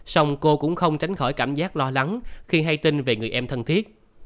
xong cô cũng không tránh khỏi cảm giác lo lắng khi hay tin về người em thân thiết